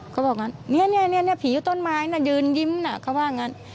เขาบอกงั้นเนี่ยผีอยู่ต้นไม้น่ะยืนยิ้มน่ะเขาว่างั้น